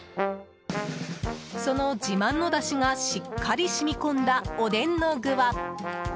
その自慢のだしがしっかり染み込んだおでんの具は。